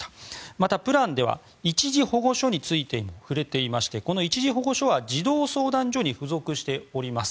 また、プランでは一時保護所について触れていてこの一時保護所は児童相談所に付属しております。